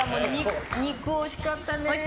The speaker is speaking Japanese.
肉、惜しかったね。